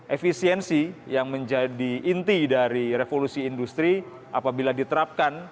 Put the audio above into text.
efisiensi yang menjadi inti dari revolusi industri apabila diterapkan